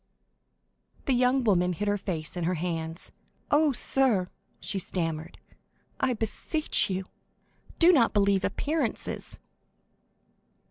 50165m The young woman hid her face in her hands. "Oh, sir," she stammered, "I beseech you, do not believe appearances."